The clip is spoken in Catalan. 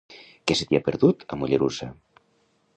Què se t'hi ha perdut, a Mollerusa?